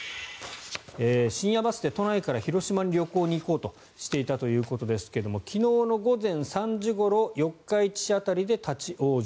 深夜バスで都内から広島に旅行に行こうとしていたということですが昨日の午前３時ごろ四日市市の辺りで立ち往生。